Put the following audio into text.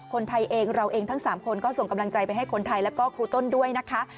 คนไทยเองเราเองทั้ง๓คนก็ส่งกำลังใจไปให้คนไทยแล้วก็ครูต้นด้วยนะคะ